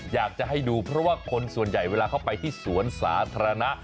อยากจะให้ดูเพราะว่าคนส่วนใหญ่เวลาเข้าไปที่สวนสาธารณะ